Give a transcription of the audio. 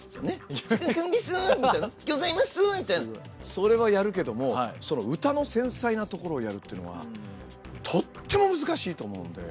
それはやるけどもその歌の繊細なところをやるっていうのはとっても難しいと思うんで。